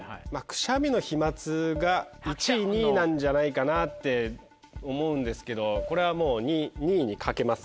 くしゃみの飛沫が１位２位なんじゃないかなって思うんですけどこれはもう２位にかけます。